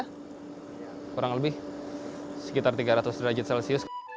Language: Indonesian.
kurang lebih sekitar tiga ratus derajat celcius